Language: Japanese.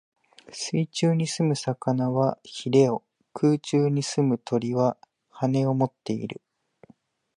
水中に棲む魚は鰭を、空中に棲む鳥は翅をもっている。